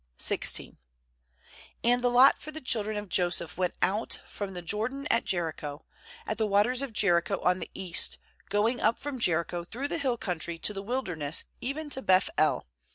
•j g And the lot for the children of Joseph went out from the Jor dan at Jericho, at the waters of Jericho on the east, Agoing up from Jericho through the hill country to the wilder ness, even to Beth el.